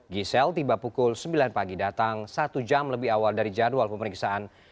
giselle tiba pukul sembilan pagi datang satu jam lebih awal dari jadwal pemeriksaan